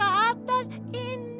yang ke atas indah banget